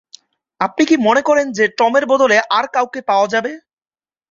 আপনি কি মনে করেন যে টমের বদলে আর কাউকে পাওয়া যাবে?